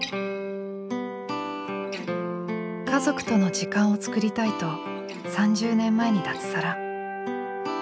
家族との時間を作りたいと３０年前に脱サラ。